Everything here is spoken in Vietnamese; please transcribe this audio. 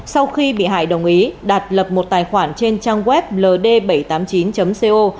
sau khi bị hại đồng ý đạt lập một tài khoản trên trang web ld bảy trăm tám mươi chín co